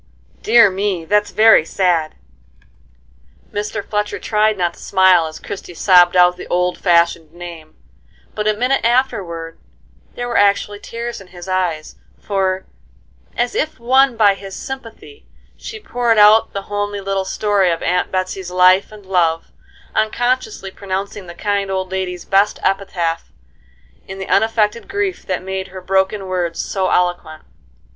"Dear me! that's very sad." Mr. Fletcher tried not to smile as Christie sobbed out the old fashioned name, but a minute afterward there were actually tears in his eyes, for, as if won by his sympathy, she poured out the homely little story of Aunt Betsey's life and love, unconsciously pronouncing the kind old lady's best epitaph in the unaffected grief that made her broken words so eloquent.